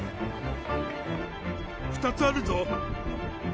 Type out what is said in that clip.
２つあるぞ！